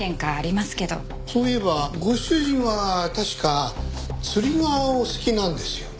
そういえばご主人は確か釣りがお好きなんですよね？